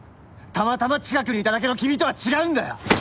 たまたま近くにいただけの君とは違うんだよ！